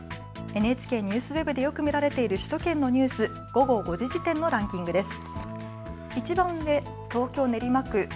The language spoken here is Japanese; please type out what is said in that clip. ＮＨＫＮＥＷＳＷＥＢでよく見られている首都圏のニュース、午後５時時点のランキングです。